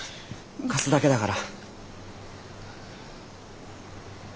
貸すだけだから。